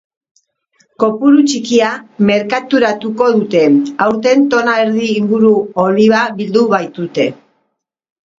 Kopuru txikia merkaturatuko dute, aurten tona erdi inguru oliba bildu baitute.